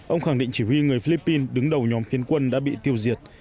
ông khẳng định chỉ huy người philippines đứng đầu nhóm phiến quân đã bị tiêu diệt